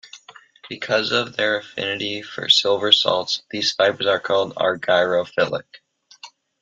Because of their affinity for silver salts, these fibers are called argyrophilic.